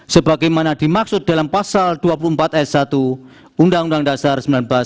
sebagaimana dimaksud dalam pasal dua puluh empat s satu undang undang dasar seribu sembilan ratus empat puluh lima